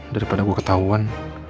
daripada gue ketahuan